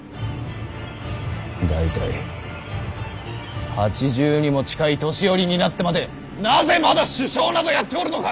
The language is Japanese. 大体８０にも近い年寄りになってまでなぜまだ首相などやっておるのか！